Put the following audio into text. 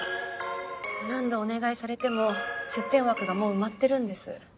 何度お願いされても出展枠がもう埋まってるんです。